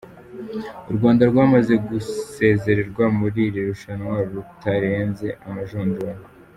U Rwanda rwamaze gusezererwa muri iri rushanwa rutarenze amajonjora.